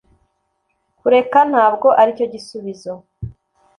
kureka ntabwo aricyo gisubizo